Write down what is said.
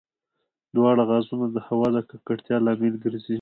دواړه غازونه د هوا د ککړتیا لامل ګرځي.